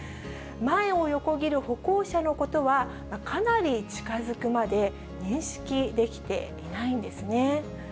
前を横切る歩行者のことは、かなり近づくまで認識できていないんですね。